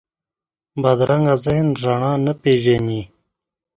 بدرنګه ذهن رڼا نه پېژني